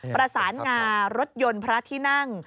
ประสานงารถยนต์พระที่นั่ง